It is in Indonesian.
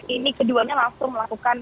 ini keduanya langsung melakukan